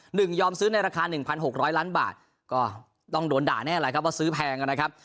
หนึ่งยอมซื้อในราคา๑๖๐๐ล้านบาทก็ต้องโดนด่าแน่อะไรครับว่าซื้อแพงนะครับ